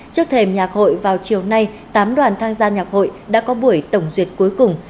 trước thềm nhạc hội vào chiều nay tám đoàn tham gia nhạc hội đã có buổi tổng duyệt cuối cùng